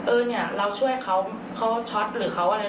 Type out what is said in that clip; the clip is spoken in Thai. เออเนี่ยเราช่วยเขาเขาช็อตหรือเขาอะไร